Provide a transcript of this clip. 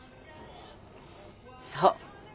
そう。